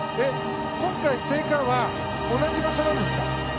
今回、聖火は同じ場所なんですか？